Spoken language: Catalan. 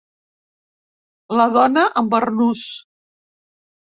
La dona en barnús.